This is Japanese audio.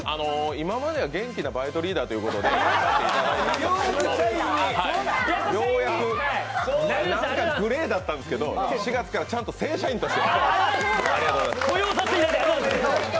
今までは元気なバイトリーダーということで来ていただいていたんですけれどもグレーだったんですけど、４月からちゃんと正社員として。